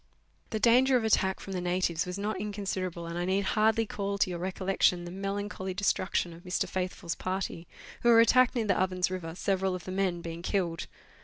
The danger of attack from the natives was not inconsiderable, and I need hardly call to your recollection the melancholy destruction of Mr. Faithfull's party, who were attacked near the Ovens River, several of the men being killed.